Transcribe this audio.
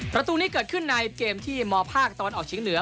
ประตูนี้เกิดขึ้นในเกมที่มภาคตะวันออกเฉียงเหนือ